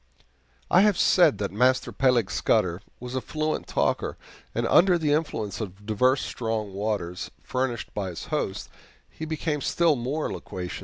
I have said that Master Peleg Scudder was a fluent talker, and under the influence of divers strong waters, furnished by his host, he became still more loquacious.